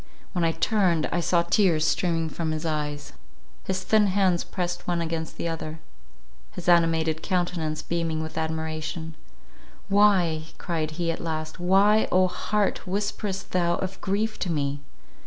When I turned, I saw tears streaming from his eyes; his thin hands pressed one against the other, his animated countenance beaming with admiration; "Why," cried he, at last, "Why, oh heart, whisperest thou of grief to me?